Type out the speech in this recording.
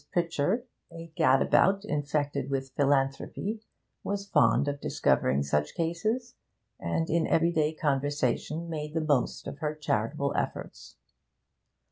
Pritchard, a gadabout infected with philanthropy, was fond of discovering such cases, and in everyday conversation made the most of her charitable efforts.